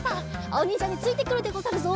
あおにんじゃについてくるでござるぞ。